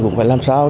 cũng phải làm sao